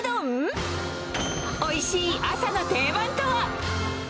おいしい朝の定番とは？